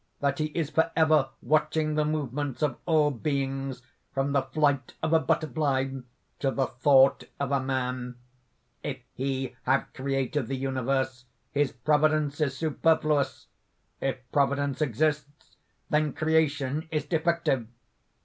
that he is forever watching the movements of all beings, from the flight of a butterfly to the thought of a man? "If he have created the universe, his providence is superfluous. If Providence exists, then creation is defective.